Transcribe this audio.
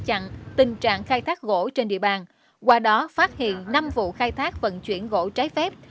chặn tình trạng khai thác gỗ trên địa bàn qua đó phát hiện năm vụ khai thác vận chuyển gỗ trái phép